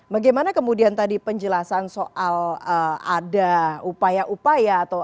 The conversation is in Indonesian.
bagaimana kemudian tadi penjelasan soal ada upaya upaya atau